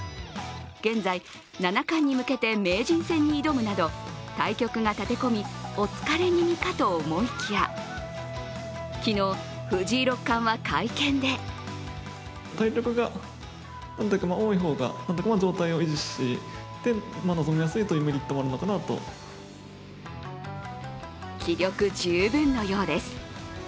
現在、七冠に向けて名人戦に挑むなど対局が立て込み、お疲れ気味かと思いきや昨日、藤井六段は会見で気力十分のようです。